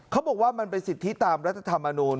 เขาบอกว่ามันเป็นสิทธิตามรัฐธรรมนูล